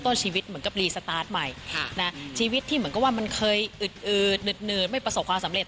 ตอนนี้ก็จะเริ่มประสบความสำเร็จได้เรื่อย